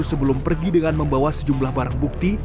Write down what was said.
sebelum pergi dengan membawa sejumlah barang bukti